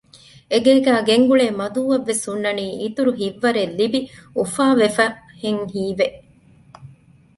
އެ ގޭގައި ގެންގުޅޭ މަދޫއަށް ވެސް ހުންނަނީ އިތުރު ހިތްވަރެއް ލިބި އުފާވެފަހެން ހީވެ